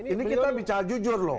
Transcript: ini kita bicara jujur loh